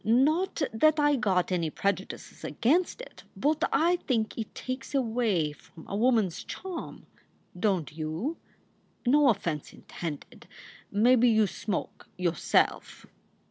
Not that I got any prejudices against it. But I think it takes away from a woman s charm. Don t you? No offense intended. Maybe you smoke, yourself."